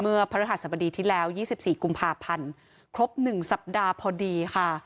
เมื่อพระราชสบดีที่แล้วยี่สิบสี่กุมภาพันธ์ครบหนึ่งสัปดาห์พอดีค่ะ